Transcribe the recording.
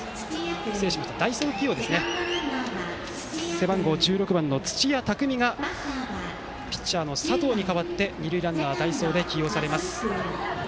背番号１６番、土屋巧がピッチャーの佐藤に代わって二塁ランナー代走で起用されます。